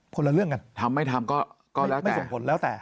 คนละเรื่องกันทำไม่ทำก็ไม่ส่งผลแล้วแต่